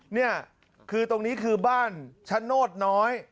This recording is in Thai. นี่คือตรงนี้คือบ้านชะโนธน้อย